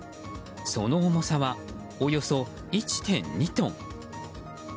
その重さはおよそ１．２トン。